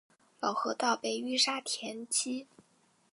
老河道被淤沙填积。